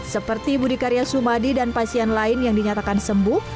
seperti budi karya sumadi dan pasien lain yang dinyatakan sembuh